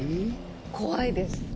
怖いです！